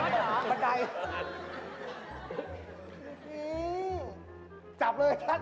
จับเลยท่าน